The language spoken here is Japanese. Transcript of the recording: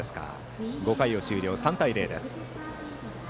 ５回を終了、３対０です。